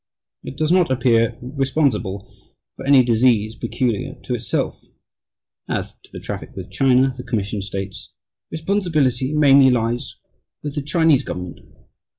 It does not appear responsible for any disease peculiar to itself." As to the traffic with China, the Commission states "Responsibility mainly lies with the Chinese government."